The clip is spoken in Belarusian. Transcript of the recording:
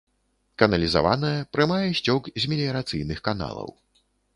Каналізаваная, прымае сцёк з меліярацыйных каналаў.